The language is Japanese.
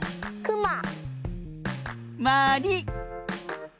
まり。